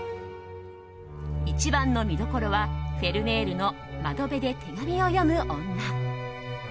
一番の見どころはフェルメールの「窓辺で手紙を読む女」。